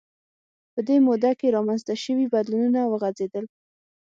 په دې موده کې رامنځته شوي بدلونونه وغځېدل